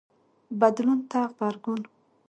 بدلون ته غبرګون